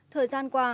thời gian qua